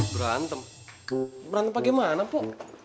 berantem berantem apa gimana po